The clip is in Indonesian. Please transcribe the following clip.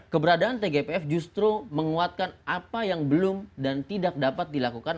keberadaan tgpf justru menguatkan apa yang belum dan tidak dapat dilakukan